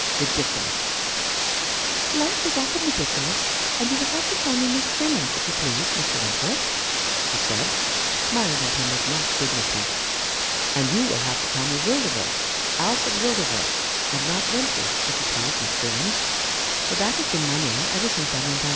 Ridiculous !"" Life is often ridiculous ; and you will have to call me Miss Freeland, if you please, Mr. Went worth," she said, smiling at him with mock dignity. " And you will have to call me Wildover — Alfred Wildover — and not Wentworth, if you please, Miss Freeland ; for that has been my name ever since I went under."